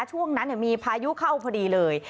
ช่วงนั้นมีพายุเข้าพอดีเลย